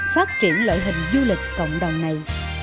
phát triển lợi hình du lịch cộng đồng này